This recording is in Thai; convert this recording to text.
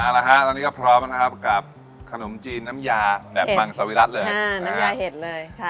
แล้วนี้ก็พร้อมครับกับขนมจีนน้ำยาแบบบังสวิรัติเลย